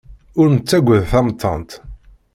Ur nettagad tamettant.